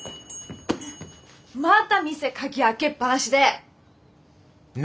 また店鍵開けっ放しで！